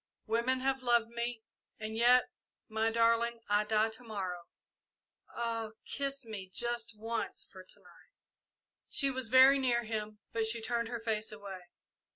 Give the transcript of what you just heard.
Women have loved me, and yet My darling, I die to morrow ah, kiss me just once for to night!" She was very near him, but she turned her face away.